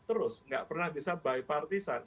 terus nggak pernah bisa by partisan